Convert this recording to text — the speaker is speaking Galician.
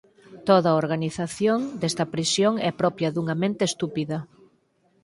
Toda a organización desta prisión é propia dunha mente estúpida.